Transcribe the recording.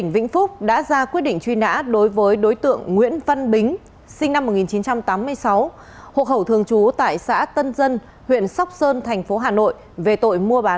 và đối tượng trần tuấn cảnh sinh năm một nghìn chín trăm chín mươi bảy